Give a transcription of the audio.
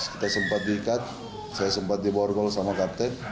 kita sempat diikat saya sempat diborgol sama kapten